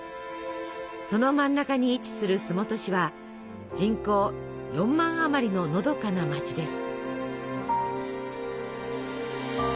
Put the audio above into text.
その真ん中に位置する洲本市は人口４万あまりののどかな街です。